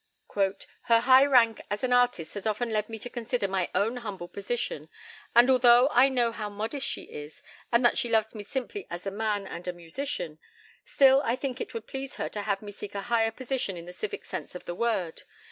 "Her high rank as an artist has often led me to consider my own humble position, and, although I know how modest she is, and that she loves me simply as a man and a musician, still I think it would please her to have me seek a higher position in the civic sense of the word.